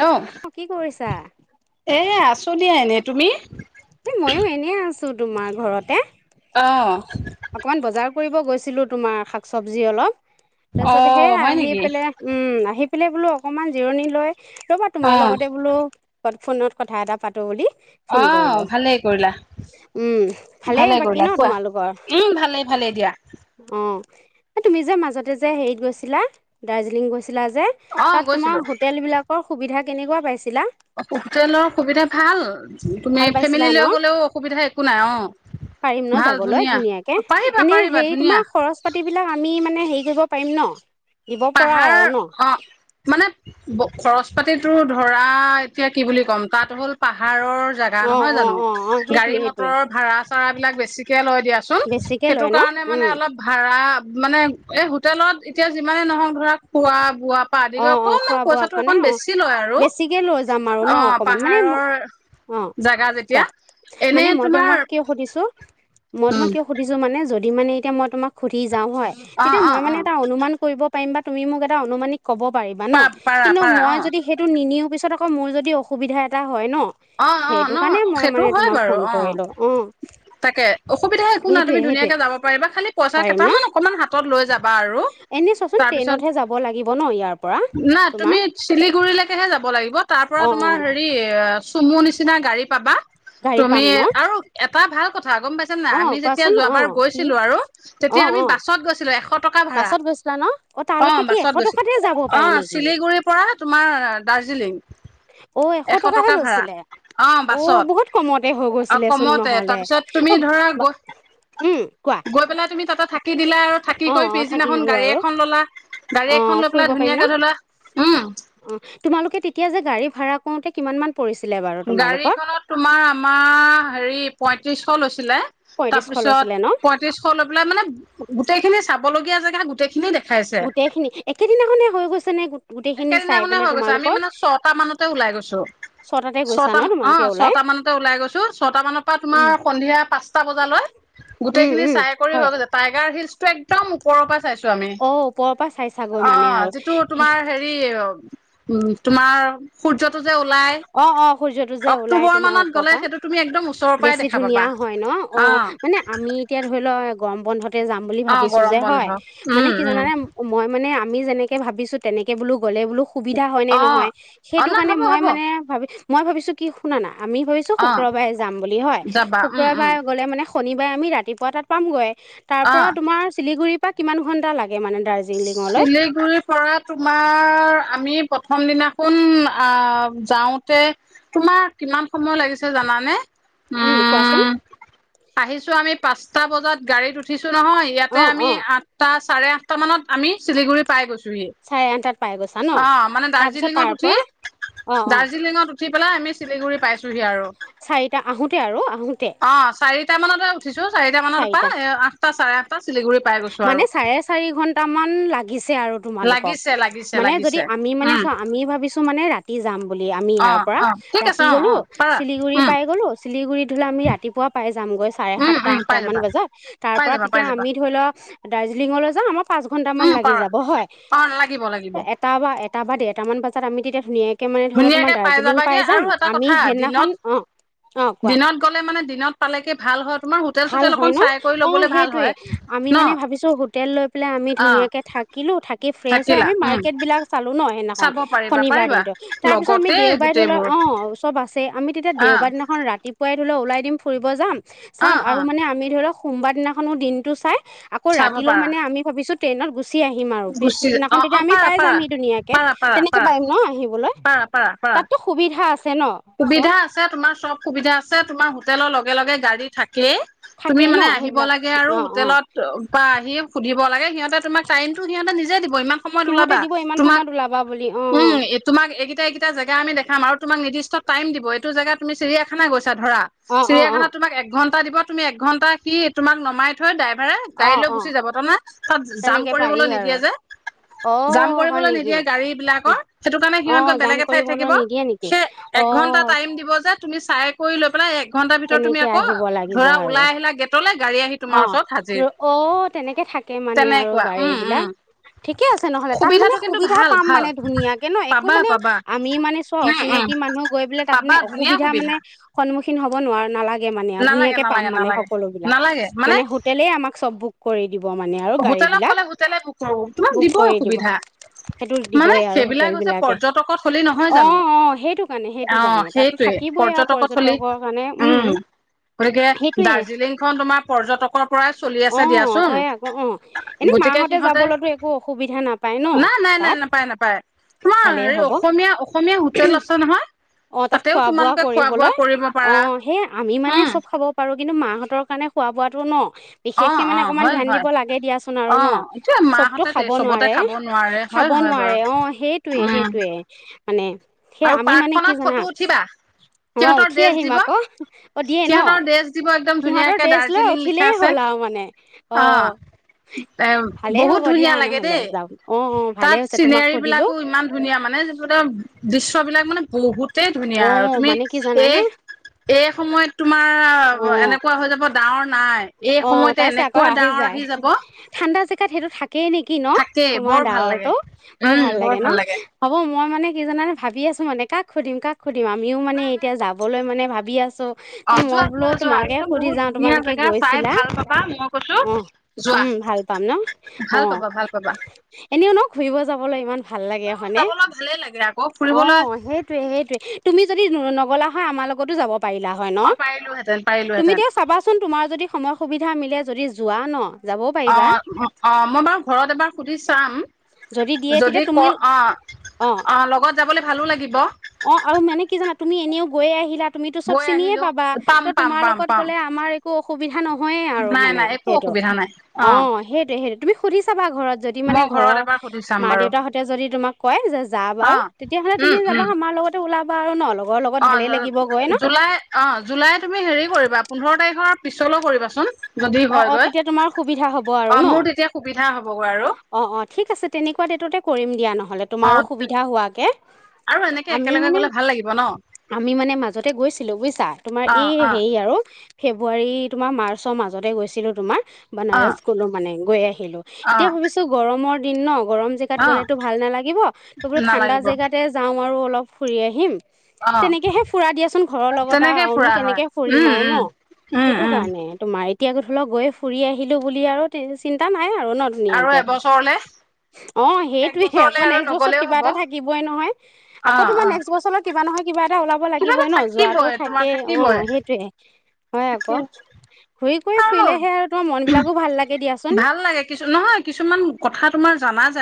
Hello অ কি কৰিছা এ আচোঁ আৰু। দিয়া এনে তুমি। এ মইও এনেই আছো। তো তোমাৰ ঘৰতে। অঁ অকণমান বজাৰ কৰিব গৈছিলোঁ তোমাৰ শাক চবজি অলপ। অ তাৰপিছত সেইয়া হয় আহি নেকি পেলাই উম আহি। সেইফালে বোলো অকণমান জিৰণি লয়। ৰবা অ তোমাৰ লগতে বোলো পদ। ফোনত কথা এটা পাতোঁ বুলি। অ ফোন কৰিলো ভালেই কৰিলা ওম ভালে ভালেই বাকী কৰিলা ন কোৱা তোমালোকৰ। উম ভালে ভালে দিয়া। এই তুমি যে মাজতে যে, হেৰিত গৈছিলা দাৰ্জিলিং গৈছিলা। থাকিছিলা যে অ তাত তোমাৰ গৈছিলো হোটেল বিলাকত সোবিধা। কেনেকুৱা পাইছে। হোটেলৰ সুবিধা ভাল তুমি ভাল পাইছিলা ফেমিলি ন লৈ গলেওঁ অসুবিধা একো নাই অ পাৰিম ন ভাল যাবলৈ ধুনীয়া। ধুনীয়াকে পাৰিবা এনে পাৰিবা হেৰি ধুনীয়া তোমাৰ খৰচ পাতি বিলাক আমি। থাকি মানে হেৰি কৰিব পাৰিম ন। দিব পৰা পাহাৰ আৰু ন অ মানে। বস্তু খৰচ পাতিতো ধৰা এতিয়া কি বুলি ক'ম তাত হ'ল পাহাৰ। পাহাৰৰ জাগা অঁ নহয় অঁ জানো, অঁ অঁ সেইটোৱে গাড়ী সেইটোৱে মটৰৰ ভাড়া চাড়া বিলাক বেছিকে লয় দিয়াচোন। বেছিকে সেইটো লয় ন কাৰণে মানে অলপ ভাড়া। মানে এই হোটেলত এতিয়া যিমান। মানে নহওঁক ধৰক খোৱা বোৱা। অ কৰি অ অকনমান খোৱা বোৱা পইচাটো কাৰণে অকন অ বেছি লয় আৰু বেছিকে লৈ যাম আৰু ন। অ অকমান মানে পাহাৰৰ অ জেগা যেতিয়া কোৱা এনে মানে মই তোমাৰ তোমাক কিয় সুধিছো। মই তোমক উম কিয় সুধিছো মানে। যদি মানে এতিয়া মই তোক সুধি যাওঁ হয় অ তেতিয়া অ মই অ মানে এটা অনুমান কৰিব যাওঁ পাৰিম বা তুমি মোক অনুমানিক ক'ব পাৰিবা ন পাৰা পাৰা কিন্তু পাৰা অ মই যদি সেইটো নি নিও পিছত আকৌ। মোৰ যদি অসুবিধা এটা হয় ন। অঁ অঁ সেইটো ন কাৰণে মই সেইটো মানে হয় তোমাক বাৰু ফোন অঁ কৰিলো অ তাকে অসুবিধা একো নাই তুমি সেইটোয়ে সেইটোয়ে ধুনীয়াকৈ যাব পাৰিবা খালী পইচা পাৰিম ন কেইটামান অকণমান হাতত লৈ যাবা আৰু এনে চোৱাচোন তাৰপিছত ট্ৰেইনতহে যাব লাগিব ন ইয়াৰ পৰা না তোমাৰ তুমি চিলিগুৰিলৈকেহে যাব লাগিব তাৰ পৰা অ তোমাৰ অ হেৰি চুমুৰ নিচিনা গাড়ী পাবা গাড়ী পাম তুমি ন আৰু তাৰ ভাল কথা ক গম পাইছে নাই অ আমি যেতিয়া কোৱাচোন যোৱ অ বাৰ কি গৈছিলো আৰু অ তেতিয়া আমি অ বাছত গৈছিলো এশত। এশ টকা ভা়ড়া বাছত গৈছিলা ন অ অঁ তালৈকে কি এশ বাছত গৈছিল টকাতে যাব পাৰি অঁ নেকি চিলিগুৰিৰ পৰা তোমাৰ দাৰ্জিলিং অ এশ টকাহে টকা ভাড়া। লৈছিলে অ বহুত কমতে হৈ অ গৈছিলেচোন কমতে নহলে তাৰপিছত তুমি অ ধৰা গৈ উম কোৱা গৈ পেলাই তুমি তাতে থাকি দিলা আৰু থাকি অ কৰি অ থাকি পিছদিনাখন দিলো গাড়ী আৰু এখন ললা গাড়ী অ এখন লৈ ফুৰিব পেলাই পাৰিম ন ধুনীয়াকে ধলা উম পাওঁতে কিমান মান পৰিছিলে বাৰু তোমালোকৰ গাড়ীখনত তোমাৰ আমাৰ হেৰি পই তিৰিছ শ চিলে তাৰ পয়ত্ৰিছশ পাছত লৈছিলে ন পয়ত্ৰিশ লৈ পেলাই মানে গো গোটেইখিনি চাবলগীয়া জেগা গোটেইখিনি দেখাইছে গোটেই খিনি একেদিনাখনে হৈ গৈছে নে? গোটেইখিনি চাই একেদিনাখনে পেলাই হৈ গৈছে আমি তোমালোকৰ মানে ছটা মানতে ওলাই গৈছো ছটাতে গৈছা ছটা ন মান অ তোমালোকে ওলাই ছটা মানতে ওলাই গৈছো ছয়টা মানৰ পৰা তোমাৰ উম সন্ধিয়া পাঁচটা বজালৈ গোটেই উম খিনি উম চাই কৰি হয় হৈ গৈছে টাইগ হিলছ টো একম ওপৰৰ পা অ ওপৰৰ পৰা চাই চাগৈ মানে আৰু উ তোমাৰ সূৰ্যটো যে ওলাই অ অ সূৰ্যটো যে ওলাই অক্টোবৰ তোমাৰ মানত ওপৰ গ'লে পৰা সেইটো তুমি একদম ওচৰৰ পৰাই বেছি দেখা পাবা ধুনীয়া হয় ন অ মানে আমি এতিয়া ধৰি লোৱা গৰম বন্ধত। যাম বুলি অ ভাবিছো গৰম যে বন্ধ হয় মানে উম কি উম জানানে মই মানে। আমি যেনেকে ভাবিছো তেনেকে বোলো। গলে বোলো সুবিধা হয় নে অ নহয় অ সেইটো ন কাৰণে হ'ব মই হ'ব মানে ভাবি মই ভাবিছো কি শুনা না আমি ভাবিছো অ শুক্ৰবাৰে যাম বুলি হয় যাবা উম উম শুক্ৰবাৰে গ'লে মানে শনিবাৰে আমি ৰাতিপুৱা তাত পামগৈ। তাৰ পৰা তোমাৰ চিলিগুৰি কিমান ঘণ্টা লাগে? মানে দাৰ্জিলিঙলৈ চিলিগুৰিৰ পৰা তোমাৰ আমি প্ৰথম দিনা চোন আহ যাওঁতে তোমাৰ কিমান সময় লাগিছে জানানে। উম কোৱাচোন। আহিছো আমি পাঁচটা বজাত গাড়ীত উঠিছো। নহয় ইয়াতে অ আমি অ আঠটা চাৰে আঠ তা মানত আমি চিলিগুৰি পাই গৈছো। চাৰে আঠটাত পাই গৈছা ন অ মানে তাৰপিছত দাৰ্জিলিঙত তাৰ উঠি পৰা অ অ দাৰ্জিলিঙত। উঠি পেলাই আমি চিলিগুৰি পাইছো। হি আৰু চাৰিটা আহোতে আৰু আহোতে অ চাৰিটা মানতে। উঠিছো চাৰিটা মানৰ পৰা আঠটা চাৰে আঠটা চিলিগুৰি পাই গৈছো আৰু মান লাগিছে। আৰু তোমালোকক লাগিছে লাগিছে মানে যদি লাগিছে আমি মানে উম চোৱা আমি ভাবিছো মানে ৰাতি যাম। বুলি আমি অ ইয়াৰ পৰা অ ঠিক আছে ৰাতি অ গলো অ পাৰা চিলিগুৰি উম পাই গলো। চিলিগুৰিত তো আমি ৰাতিপুৱা পাই যামগৈ চাৰে উম সাতটা। উম পাই টামান যাবা বজাত তাৰ পাই পৰা যাবা পাই তেতিয়া যাবা আমি ধৰি লওক। দাৰ্জিলিঙলৈ যাম আমাৰ পাঁচ ঘন্টা মান উম লাগি পাৰা যাব হয় অ লাগিব লাগিব এটা বা এটা বা দেৰটা মান বজাত আমি তেতিয়া। ধুনীয়াকে। ধুনীয়াকে পাই যাবাগে আৰু এটা আমি কথা সেইদিনাখন দিনত অঁ অঁ কোৱা দিনত গ'লে মানে দিনত পালে গে ভাল হয় তোমাৰ হোটেল ভাল চোটেল হয় অকন ন চাই কৰি অ ল'বলে ভাল সেইটোয়ে হয়। আমি ন মানে ভাবিছো হোটেল লৈ পেলাই আমি অ ধুনীয়াকে থাকিলো। কি ফ্ৰেছ হৈ থাকিলা আমি উম মাৰ্কেট বিলাক চালো ন। সেইদিনাখন চাব পাৰিবা শনিবাৰ পাৰিবা দিনতো তাৰ পিছত আমি লগতে দেওবাৰে ধৰিলো গোটেইবোৰ অ ওচৰত আছে আমি তেতিয়া অ দেওবাৰ দিনাখন ৰাতিপুৱাই ধৰি ল ওলাই দিম ফুৰিব যাম। অ চাম অ আৰু মানে আমি ধৰক। সোমবাৰ দিনাখনো দিনটো চাই। আকৌ চাব ৰাতিলৈ পাৰা মানে আমি ভাবিছো ট্ৰেইনত গুচ চি আহিম আৰু, গুচি অ পিছদিনাখন অ তেতিয়া আমি পাৰা পাই পাৰা যামহি ধুনীয়াকে, পাৰা পাৰা তেনেকে পাৰা পাৰিম ন আহিবলৈ? পাৰা পাৰা পাৰা তাততো সুবিধা আছে ন চব? ছে, তোমাৰ হোটেলৰ লগে লগে গাড়ী থাক কে, তুমি থাকেই ন মানে আহিব সেইবিলাক লাগে আৰু অ অ হোটেলত পাই নিয়ম সুধিব লাগে, সিহঁতে তোমাৰ সিহঁতে নিজে দিব, ইমান সময়ত সিহঁতে ওলাবা, দিব ইমান তোমাক, সময়ত ওলাবা বুলি অ উম, তোমাক এইকেইটা-এইকেইটা জেগা আমি দেখ খাম আৰু তোমাক নিৰ্দিষ্ট টাইম দিব, এইটো জেগা তুমি চিৰিয়াখানা গৈছ ধৰা, অ অ অ চিৰিয়াখানাত তোমাক এক ঘণ্ দিব, তুমি একঘণ্টা-সি তোমাক নমাই থৈ, ডাই আৰে অ গাড়ী লৈ অ গুচি যাব, তাৰ মানে, তাত জাম তেনেকে পাৰি কৰিবলৈ নি আৰু নিদিয়ে যে, অ জাম হয় কৰিবলৈ নেকি নিদিয়ে গাড়ী বিলাকৰ, সেইটো কাৰণে অ সিহঁত গৈ জাম বেলেগ এঠাইত কৰিবলৈ থাকিব, নিদিয়ে নেকি সেই অ একঘন্টা টাইম দিব যে তুমি চাই কৰি লৈ পেলাই এক ঘণ্টাৰ ভিতৰত তুমি তেনেকে আকৌ, আহিব লাগিব ধৰা আৰু ওলাই আহিলা গে'টলে। গাড়ী আহি তোমাৰ অ', ওচৰত হাজিৰ ৰ', অ' তেনেকে থাকে মানে আৰু তেনেকুৱা উম, গাড়ীবলাক। উম, ঠিকে আছে নহ'লে, তাত মানে সুবিধাটো কিন্তু সুবিধা ভাল পাম ভাল মানে ধুনীয়াকে ন, একো পাবা মানে পাবা আমি মানে চোৱা, উম, উম, অচিনাকি মানুহ গৈ পেলাই তাত পাবা মানে ধুনীয়া অসুবিধা মানে সুবিধা স সন্মুখীন হ'ব নোৱাৰোঁ, নালাগ সেই মানে আৰু নালাগে ধুনীয়াকে পাম নালাগে মানে, নালাগে সকলো বিলাক। নালাগে মানে হোটেলেই আমাক চব বুক কৰি দিব মানে আৰু গাড়ী হোটেলক বিলাক ক'লে হোটেলেই বুক কৰিব। তোমাক বুক দিবই কৰি দিব সুবিধা, সেইটো মানে দিবই আৰু সেইবিলাক হোটেল হৈছে বিলাকে পৰ্যটক থলী নহয় অ জানো, অ সেইটো কাৰণে সেইটো অ', কাৰণে তাতো সেইটোৱে, থাকিবই আৰু পৰ্যটক থলী, পৰ্যটকৰ কাৰণে উম, গতিকে সেইটোয়ে দাৰ্জিলিংখন তোমাৰ পৰ্যটকৰ পৰাই চলি অ আছে দিয়াচোন। হয় আকৌ এনে গতিকে মাহঁতে সিহঁতে যাবলৈতো একো অসুবিধা নাপায় ন নাই নাই নাই তাত, নাপায় নাপায় তোমাৰ ভালেই হেৰি হ'ব, অসমীয়া অসমীয়া হোটেল আছে নহয় অ' তাত তাতেও খোৱা বোৱা তোমালোকে খোৱা বোৱা কৰিবলৈ, কৰিব পাৰা অ', সেই আমি মানে উম চব খাব পাৰো কিন্তু, মাহঁতৰ কাৰণে খোৱা বোৱাাটো ন। অ বিশেষকে অ মানে অকমান হয় ধ্যান হয় দিব লাগে দিয়াচোন আৰু অ ন, এতিয়া চবতো মাহঁতে খাব চবতে নোৱাৰে, খাব নোৱাৰে হয় খাব হয় বাৰু নোৱাৰে, অ', সেইটোৱে উম সেইটোৱে। মানে সেই আৰু আমি মানে কি পাৰ্কখনত জানা ফটো উঠিবা। অ সিহঁতৰ উঠি ড্ৰেছ আহিম দিব, আকৌ অ দিয়ে ন সিহঁতৰ ড্ৰেছ দিব একদম সিহঁতৰ ধুনীয়াকে ড্ৰেছ দাৰ্জ লৈ জিলিং লিখা উঠিলেই আছে, হ'ল আৰু মানে অ', এ ভালেই বহুত হ'ব দিয়া ধুনীয়া লাগে নহ'লে দেই, যাম অ অ ভালে তাত হৈছে তোমাক চিনেৰী সুধিলো বিলাকো ইমান ধুনীয়া, মানে দৃশ্যবিলাক মানে বহুত তেই ধুনীয়া অ আৰু, তুমি, মানে কি এই, জানানে এই সময়ত তোমাৰ, অ এনেকুৱা হৈ যাব, ডাৱৰ নাই। এই অ' সময়তে তাই চা, ক, এনেকুৱা আহি ডাৱৰ যায়। যাব ঠাণ্ডা যে [unintelligible] সেইটো [unintelligible] ন? থাকেই তোমাৰ বৰ ভাল লাগে ডাৱৰটো, বৰ ভাল লাগে ন? হ'ব মোৰ মই মানে, কি জানানে ভাবি আছোঁ মানে, কাক সুধিম, কাক সুধিম! [unintelligible] মিও, মানে নাই নাই এতিয়া যাবলৈ মানে, ভাবি আছোঁ। অ ও, মই যোৱা বোলোঁ, যোৱা যোৱা তোমাকে একদম শুধি বহুত যাওঁ। ধুনীয়া তোমালোকে জেগা গৈছ চাই [unintelligible] ভাল পাবা মই কৈছো অ', যোৱা উম, ভাল পাম ন? ভাল অ'। পাবা ভাল পাবা এনেও ন, ঘুৰিব যাবলৈ ইমান ভাল লাগে ফুৰিব হয়নে? যাবলৈ ভালে লাগে আকৌ ফুৰিবলৈ অ', সেইটোৱে-সেইটোৱে তুমি যদি ন নগ'লা হয় আমাৰ লগতো যাব পাৰিলা হয় ন অ পাৰিলোহেঁতেন তুমি পাৰিলোহেঁতেন এতিয়াওঁ চাবাচোন তোমাৰ যদি সুবিধা মিলে যদি যোৱা ন যাবও অ পাৰিবা অ মই বাৰু ঘৰত এবাৰ সুধি চাম দিয়ে তেতিয়া যদি তুমি ক অ অ লগত যাবলৈ ভালো লাগিব গৈ আহিলা তুমি টো চব গৈ চিনিয়ে আহিলো পাবা পাম তো পাম তোমাৰ পাম লগত পাম গ'লে আমাৰ একো অসু অসুবিধা নহয়ে আৰু নাই মানে নাই একো সেইটো অসুবিধা নাই অ সেইটো সেইটো তুমি সুধি চাবা ঘৰত যদি মানে মই ঘৰত ঘৰৰ এবাৰ সুধি চাম মা বাৰু দেউতা সতে যদি তোমাক কয় যে যা অ বাৰু তেতিয়াহলে উম তুমি যাবা উম আমাৰ লগতে ওলাবা বাৰ [unintelligible] ন অলপ অ জ জুলাই অ জুলাই তুমি হেৰি কৰিবা পোন্ধৰ তাৰিখ পিছলৈ কৰিবাচোন যদি অ অ হয়গৈ তেতিয়া তোমাৰ সুবিধা হ'ব আৰু অ ন মোৰ তেতিয়া সুবিধা হ'বগৈ আৰু অ অ ঠিক আছে তেনেকুৱা ডেটত এ কৰিম দিয়া ন নহলে তোমাৰো অ সুবিধা হোৱাকে আৰু এনেকে আমি একেলগে মানে গ'লে ভাল লাগিব ন আমি মানে মাজতে গৈছিলো বুজিছা তোমাৰ অ', এই অ', হেৰি আৰু ফেব্ৰুৱাৰী তোমাৰ মাৰ্চৰ মাজ মাজতে গৈছিলো তোমাৰ। অ', বানাৰস গলো মানে গৈ আহিলো এতিয়া অ', ভাবিছো গৰমৰ তিন ন গৰম জাগাত গলে অ', ভাল নালাগিব ত বোলো ঠাণ্ডাৰ নালাগিব জাগাতে যাওঁ আৰু অলপ ফুৰি আহিম অ', তেনেকেহে ফুৰা দিয়াচোন ঘৰৰ লগত আৰু তেনেকে আৰুনো ফুৰা হয় কেনেকে ফুৰিম উম, আৰু ন উম, উম, সেইটো উম, কাৰণে তোমাৰ এতিয়া ধৰি লওক গৈ ফুৰি আহিলোঁ বুলি আৰু চিন্তা নাই। সেয়াই আৰু ন আৰু ধুনীয়াকে এবছৰলে অ এক সেইটোয়ে বছৰলে আকৌ আৰু নেক্সট বছৰত নগলেও কিবা হ'ব এটা থাকিবই নহয় আকৌ অ', তোমাৰ অ', নেক্সট বছৰলৈ কিবা নহয় কিবা এ এটা ওলাব কিবা লাগিবই এটা ন যোৱাটো থাকিবই তোমাৰ থাকে অ থাকিবই সেইটোয়ে। হয় আকৌ ঘূৰি কৰি আৰু, ফুৰিলেহে তোমাৰ মন বিলাকো ভাল লাগে দিয়াচোন ভাল লাগে কিছু নহয় কিছুমান কথা তোমাৰ সমাজ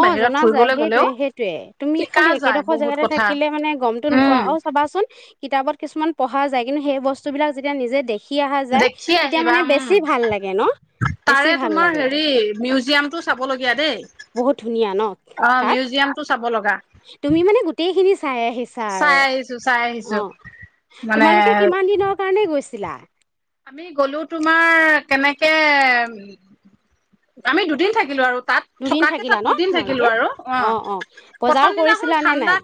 অ জনা যায়। সেইটোয়ে, সেইটোয়ে। তুমি শিকা খালি যায় একেডোখৰ বহুত জেগাতে কথা থাকিলে মানে গমটো নোপোৱা উম, আৰু চাবাচোন কিতাপত কিছুমান পঢ়া যায় কিন্তু সেই বস্তুবিলাক যেতিয়া নিজে দেখি অহা যায় দেখি তেতিয়া আহিবা। মানে বেছি উম, ভাল লাগে ন বেছি তাৰে ভাল তোমাৰ লাগে হেৰি মিউজিয়ামটো চাবলগীয়া দেই। বহুত ধুনীয়া ন অ তাত মিউজিয়ামটো চাব লগা। তুমি মানে গোটেই খিনি চাই আহিছা চাই আৰু। আহিছো চাই আহিছো অ মানে তোমালোকে কিমান দিনৰ কাৰণে গৈছা? তিলা আমি গলো তোমাৰ, কেনেকে আমি দুদিন থাকিলো আৰু। তাত দুদিন থকাকে থাকিলা তাত ন দুদিন তোমালোকে থাকিলোঁ আৰু। অ বজাৰ প্ৰথম কৰিছিলা দিনাখনোন নে ঠাণ্ডা, নাই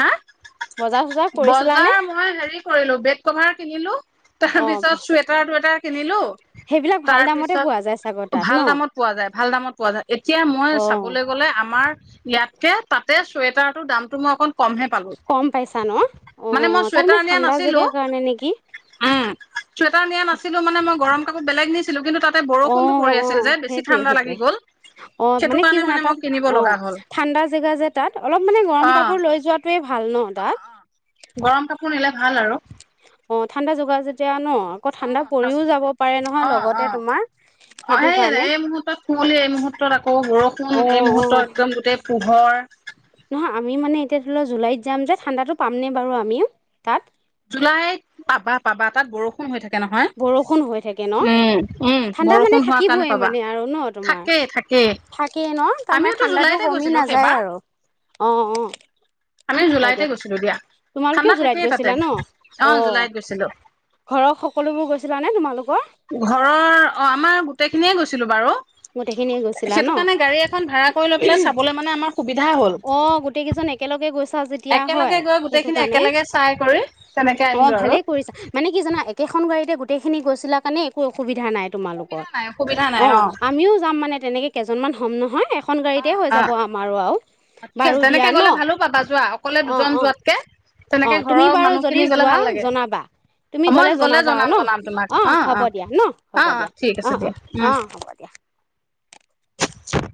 হা বজাৰ চজাৰ কৰিছিলানে বজাৰ মই হেৰি কৰিলোঁ বেড কভাৰ কিনিলোঁ। তেহে অ বিছ পিছত চুৱেটাৰ টুৱেটাৰ কিনিলো। সেইবিলাক ভাল তাৰ দামতে পিছত পোৱা যায় চাগৈ তাত ন ভাল দামত পোৱা যায়, ভাল দামত পোৱা যায় এতিয়া মই অ চাবলৈ গলে আমাৰ ইয়াত এটিয়া তাতে চুৱেটাৰটোৰ দামটো মই অকণ কমহে পালো কম পাইছা ন? মানে অ, মই চুৱেটাৰ তাৰমানে নিয়া ঠাণ্ডা নাছিলো জেগা কাৰণে নেকি? উম চুৱেটাৰ নিয়া নাছিলো মানে মই গধ গৰম কাপোৰ বেলেগ নিছ অ, অ। ঠাণ্ডা লাগি সেইটোৱে-সেইটোৱে। গ'ল অ সেইটো মানে কি কাৰণে জানা মই তাত কিনিব অ লগা হ'ল ঠাণ্ডা জেগা যে তাত অলপ মানে গৰম অ কাপোৰ লৈ যোৱাটেৱে ভাল। ভাল ন দাঁত? গৰম কাপোৰ নিলে ভাল আৰু। অ ঠাণ্ডা যোগাৰ যেতিয়া ন? আকৌ অ, ঠাণ্ডা পৰিও যাব পাৰে নহয় অ, অ, লগতে তোমাৰ অ সেইটো সেই কাৰণে এই মুহূুৰ্তত কুঁৱলি এই মুহূুৰ্তত আকৌ অ বৰষুণ এই মুহূৰ্তত অ একদম গোটেই পোহৰ নহয় আমি মানে এতিয়া ধৰি লোৱা জুলাইত যাম যে, ঠাণ্ডাতো পামনে বাৰু আমিও তাত? জুলাইত, পাবা-পাবা। তাত বৰষুণ হৈ থাকে। নহয় বৰষুণ হৈ থাকে ন? উম উম ঠাণ্ডা বৰষুণ মানে হোৱাৰ কাৰণে থাকিবই পাবা মানে আৰু ন তোমাৰ? থাকেই থাকেই থাকেই ন তাৰমানে আমিওতো ঠাণ্ডাতো জুলাইতে কমি গৈছিলো নাযায় সেইবাৰ আৰু। অ, অ আমি হয় জুলাইতে দিয়া। গৈছিলো ঠাণ্ডা তোমালোকেও থাকেই জুলাইত তাতে গৈছিলা ন? অ জুলাইত গৈছিলো ঘৰৰ সক সিয়ো গৈছিলে নে তোমাৰ লগত? ঘৰৰ অ, আমাৰ গোটেই খিনিয়ে গৈছিলো বাৰু। গোটেইখিনিয়ে গৈছিলা ন? সেইটো কাৰণে গাড়ী এখন ভাড়া কৰি লৈ পেলাই চাবলৈ মানে আমাৰ সুবিধা হ'ল অ গোটেই কেইজন একেলগে গৈছা যি একেলগে গৈ গোটেইখিনি একেলগে চাই কৰি তেনেকে অ আহিলো ভালেই কৰিছা মানে কি জানা আৰু। একেখন গাড়ীতে গোটেখিনি গৈছিলা কাৰণে একো অক সুবিধা নাই তোমালোকৰ অসুবিধা নাই অসুবিধা নাই অ। যাম মানে তেনেকে কেইজনমান হ'ম নহয়। এখন অ গাড়ীতে হৈ অ যাব আমাৰো আৰু অ ঠিক বাৰু আছে দিয়া তেনেকে ন গ'লে ভালো পাবা যোৱা অকলে অ দুজন অ যোৱাতকে অ তেনেকে তুমি ঘৰৰ বাৰু যদি মানুহখিনি গ'লে যোৱা ভাল লাগে জনাবা তুমি মই গ'লে জনাবা আৰু জনাম ন জনাম তোমাক অ হ'ব দিয়া ন অ হ'ব অ দিয়া ঠিক আছে অহ অ দিয়া উম অ হ'ব দিয়া [unintelligible]